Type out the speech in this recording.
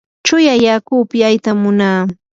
chuya yaku upyaytam munaa.